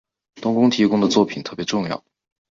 冬宫提供的作品特别重要。